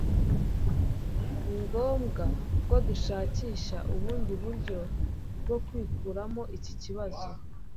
Ni ngombwa ko dushakisha ubundi buryo bwo kwikuramo iki kibazo